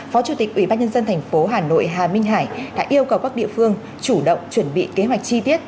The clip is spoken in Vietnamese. phó chủ tịch ubnd thành phố hà nội hà minh hải đã yêu cầu các địa phương chủ động chuẩn bị kế hoạch chi tiết